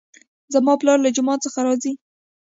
زما پلار له جومات څخه راځي